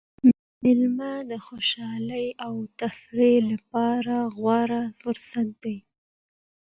مېله د خوشحالۍ او تفریح له پاره غوره فرصت دئ.